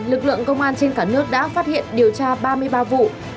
lực lượng công an trên cả nước đã phát hiện điều tra ba mươi ba vụ